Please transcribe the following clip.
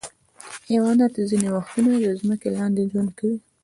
حیوانات ځینې وختونه د ځمکې لاندې ژوند کوي.